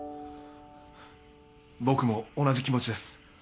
僕も同じ気持ちです。